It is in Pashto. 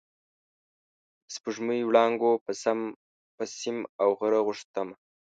د سپوږمۍ وړانګو په سم او غر غوښتمه